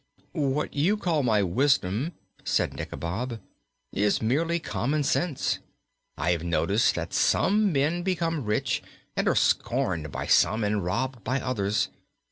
"What you call my wisdom," said Nikobob, "is merely common sense. I have noticed that some men become rich, and are scorned by some and robbed by others.